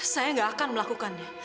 saya gak akan melakukannya